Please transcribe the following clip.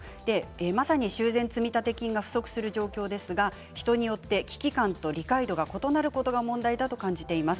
まさに修繕積立金が不足している状況ですが人によって危機感と理解度が異なることが問題だと思います。